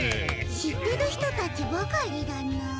しってるひとたちばかりだな。